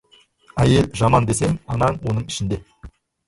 Әйел жаман десең, анаң оның ішінде.